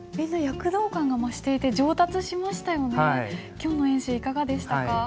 今日の演習いかがでしたか？